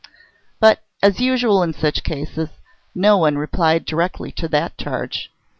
But, as usual in such cases, no one replied directly to the charge.